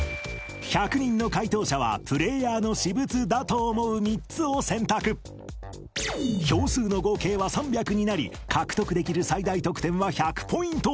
１００人の解答者はプレーヤーの私物だと思う３つを選択票数の合計は３００になり獲得できる最大得点は１００ポイント。